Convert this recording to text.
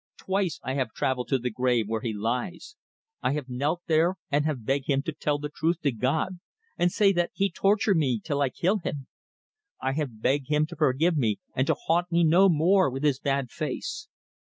Twice I have travelled to the grave where he lies. I have knelt there and have beg him to tell the truth to God, and say that he torture me till I kill him. I have beg him to forgive me and to haunt me no more with his bad face.